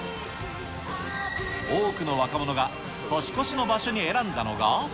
多くの若者が年越しの場所に選んだのが。